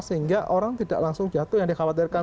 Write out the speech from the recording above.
sehingga orang tidak langsung jatuh yang dikhawatirkan